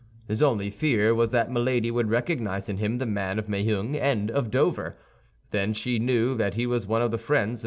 His only fear was that Milady would recognize in him the man of Meung and of Dover. Then she knew that he was one of the friends of M.